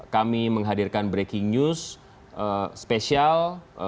kami menghadirkan breaking news spesial